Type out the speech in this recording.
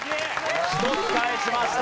１つ返しました。